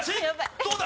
どうだ？